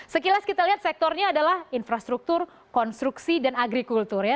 sekilas kita lihat sektornya adalah infrastruktur konstruksi dan agrikultur ya